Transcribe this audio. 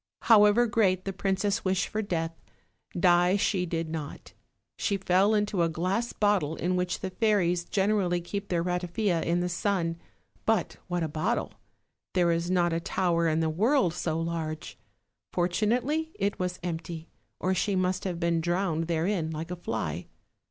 However great the princess' wish for death, die she did not; she fell into a glass bottle in which the fairies gen erally keep their ratafia in the sun; but what a bottle! there is not a tower in the world so large. Fortunately it was empty, or she must have been drowned therein like a fly.